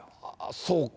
そうか。